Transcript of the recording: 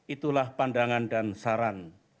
itulah pandangan dan saran